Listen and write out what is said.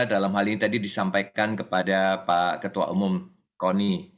dalam hal ini tadi disampaikan kepada pak ketua umum koni